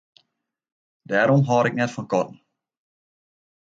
Dêrom hâld ik net fan katten.